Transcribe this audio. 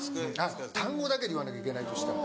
単語だけで言わなきゃいけないとしたら。